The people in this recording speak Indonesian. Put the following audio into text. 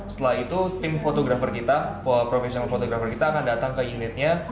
setelah itu tim fotografer kita professional fotografer kita akan datang ke unitnya